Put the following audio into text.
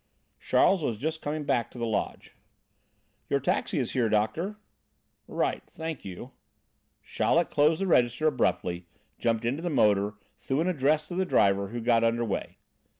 Charles was just coming back to the lodge. "Your taxi is here, Doctor." "Right. Thank you." Chaleck closed the register abruptly, jumped into the motor, threw an address to the driver, who got under way.